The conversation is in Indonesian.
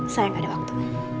sayang gak ada waktu